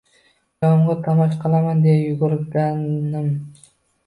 Yomg’irni tomosha qilaman deya yugurganim